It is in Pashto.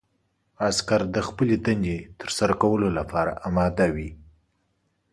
عسکر د خپلې دندې ترسره کولو لپاره اماده وي.